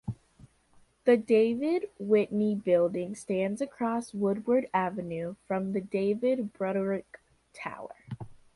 The David Whitney Building stands across Woodward Avenue from the David Broderick Tower.